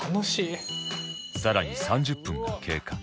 更に３０分が経過